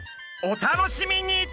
お楽しみに！